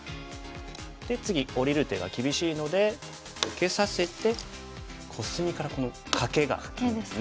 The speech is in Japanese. で次下りる手が厳しいので受けさせてコスミからこのカケがいいですね。